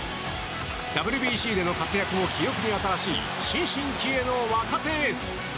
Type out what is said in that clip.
ＷＢＣでの活躍も記憶に新しい新進気鋭の若手エース。